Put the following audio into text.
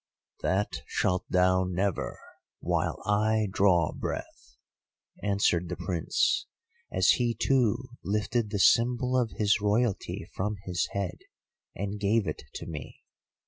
"'That shalt thou never while I draw breath,' answered the Prince, as he too lifted the symbol of his royalty from his head and gave it to me.